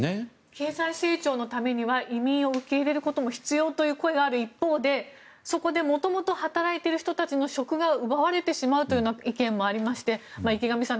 経済成長のためには移民を受け入れることも必要という声もある一方でそこでもともと働いている人たちの職が奪われてしまうという意見もありまして池上さん